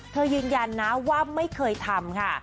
ยืนยันนะว่าไม่เคยทำค่ะ